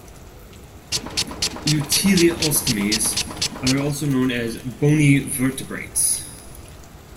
Euteleostomes are also known as "bony vertebrates".